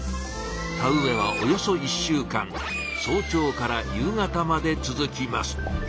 田植えはおよそ１週間早朝から夕方まで続きます。